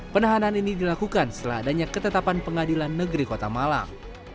penahanan ini dilakukan setelah adanya ketetapan pengadilan negeri kota malang